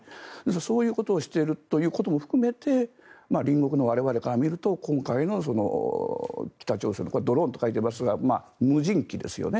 そういうことをしているということも含めて隣国の我々から見ると今回の北朝鮮のドローンと書いてありますが無人機ですよね。